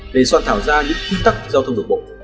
để soạn thảo ra những quy tắc giao thông đường bộ